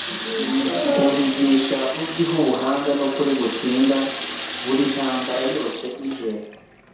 Umvigisha uzwiho ubuhanga n'ukuri gutsinda buri ntambara yose ije.